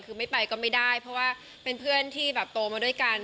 คือไม่ไปก็ไม่ได้เพราะว่าเป็นเพื่อนที่แบบโตมาด้วยกัน